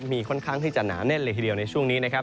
มีค่อนข้างที่จะหนาแน่นเลยทีเดียวในช่วงนี้นะครับ